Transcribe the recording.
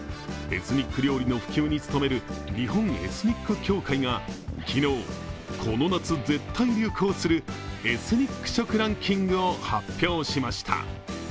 エスニック料理の普及に努める日本エスニック協会が昨日、この夏絶対流行するエスニック食ランキングを発表しました。